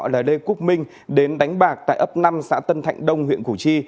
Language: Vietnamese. là lê quốc minh đến đánh bạc tại ấp năm xã tân thạnh đông huyện củ chi